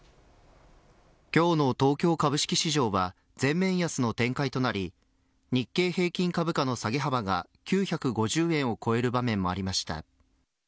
今日の東京株式市場は全面安の展開となり日経平均株価の下げ幅が９５０円を超える場面もありました。